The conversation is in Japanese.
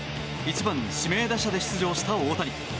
１番指名打者で出場した大谷。